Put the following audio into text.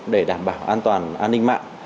để đảm bảo an toàn an ninh mạng